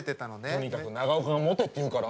とにかく長岡が持てっていうから。